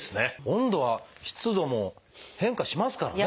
温度は湿度も変化しますからね。